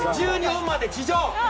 １２本まで地上！